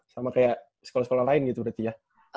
sama kayak sekolah sekolah lain gitu berarti ya